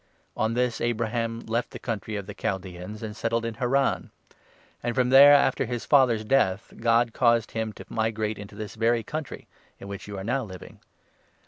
On this, Abraham left the country of the Chaldaeans 4 and settled in Haran ; and from there, after his father's death, God caused him to migrate into this very country, in which you are now living.